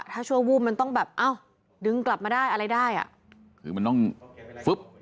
ถ้าชั่ววูบมันต้องแบบอ้าวดึงกลับมาได้อะไรได้อ่ะคือมันต้องฟึ๊บ